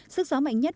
sức gió mạnh nhất